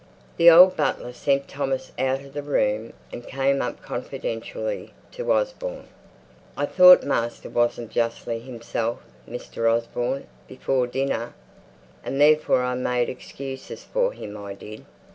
The old butler sent Thomas out of the room, and came up confidentially to Osborne. "I thought master wasn't justly himself, Mr. Osborne, before dinner. And, therefore, I made excuses for him I did.